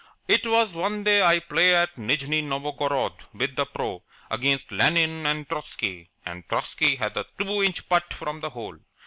It was one day I play at Nijni Novgorod with the pro. against Lenin and Trotsky, and Trotsky had a two inch putt for the hole.